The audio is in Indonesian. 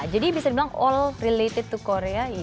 jadi bisa dibilang all related to korea iya